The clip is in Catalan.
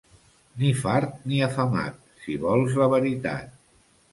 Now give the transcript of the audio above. Ni fart ni afamat, si vols la veritat.